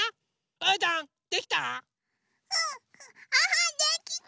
うーたんできた？